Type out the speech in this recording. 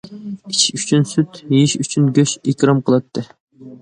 ئىچىش ئۈچۈن سۈت، يېيىش ئۈچۈن گۆش ئىكرام قىلاتتى.